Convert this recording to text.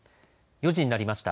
４時になりました。